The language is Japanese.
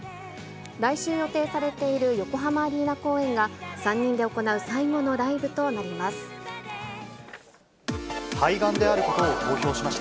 来週予定されている横浜アリーナ公演が、３人で行う最後のライブとなります。